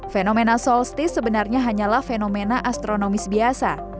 fenomena solstice sebenarnya hanyalah fenomena astronomis biasa